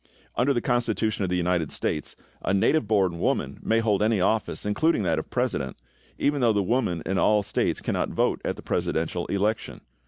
Under the Constitution of the United States a native born woman may hold any office, including that of president, even though the women in all of the States cannot vote at the presidential election.